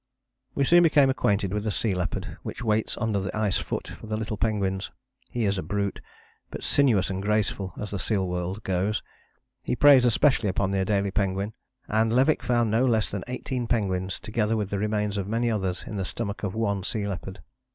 We soon became acquainted with the sea leopard, which waits under the ice foot for the little penguins; he is a brute, but sinuous and graceful as the seal world goes. He preys especially upon the Adélie penguin, and Levick found no less than eighteen penguins, together with the remains of many others, in the stomach of one sea leopard.